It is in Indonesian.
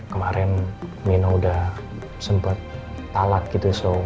kemarin nino udah sempet talak gitu